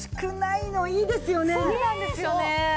そうなんですよね。